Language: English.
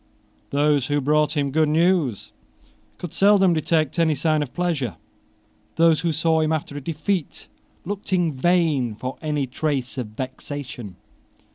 Those who brought him good news could seldom detect any sign of pleasure. Those who saw him after a defeat looked in vain for any trace of vexation.